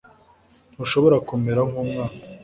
ntushobora kumera nkumwana